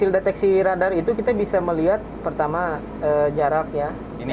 deteksi radar itu kita bisa melihat pertama jarak ya